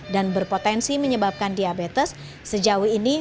dan berpotensi menyebabkan diabetes sejauh ini